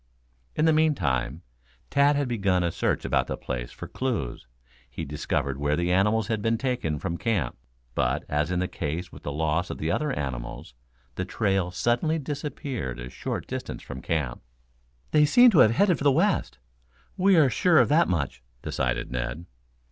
In the meantime Tad had begun a search about the place for clues. He discovered where the animals had been taken from camp, but, as in the case with the loss of the other animals, the trail suddenly disappeared a short distance from camp. "They seem to have headed for the west. We are sure of that much," decided Ned.